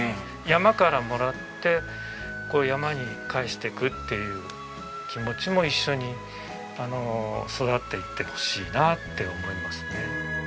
山からもらって山に返していくっていう気持ちも一緒に育っていってほしいなって思いますね。